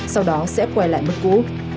sau đó sẽ quay lại mức cũ